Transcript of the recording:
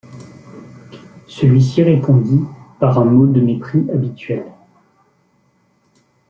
Celui-ci répondit par un mot de mépris habituel.